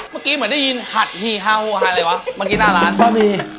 เมื่อกี้เหมือนได้ยินหัดฮีเฮาอะไรวะเมื่อกี้หน้าร้านบะหมี่